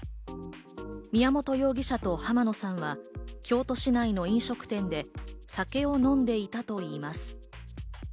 宮本容疑者と浜野さんは京都市内の飲食店で酒を飲んでいたといいます。